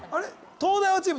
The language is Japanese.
東大王チーム